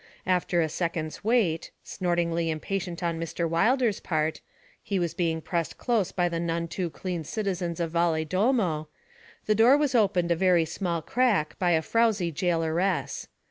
After a second's wait snortingly impatient on Mr. Wilder's part; he was being pressed close by the none too clean citizens of Valedolmo the door was opened a very small crack by a frowsy jailoress.